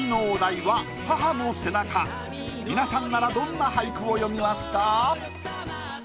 皆さんならどんな俳句を詠みますか？